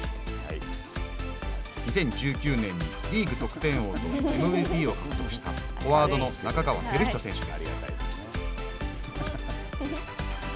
２０１９年にリーグ得点王とＭＶＰを獲得したフォワードの仲川輝人選手です。